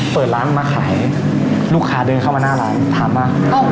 เปิดร้านมาขายลูกค้าเดินเข้ามาหน้าร้านถามว่า